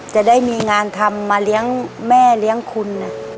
จะได้มีงานทำมาเลี้ยงแม่เลี้ยงคุณ